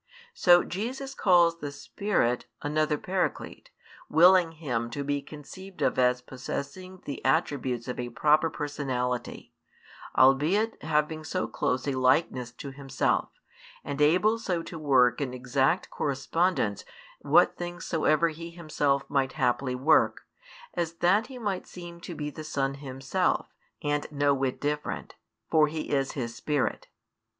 So Jesus calls the Spirit another Paraclete, willing Him to be conceived of as possessing the attributes of a proper personality; albeit having so close a likeness to Himself, and able so to work in exact correspondence what things soever He Himself might haply work, as that He might seem to be the Son Himself and no whit different: for He is His Spirit.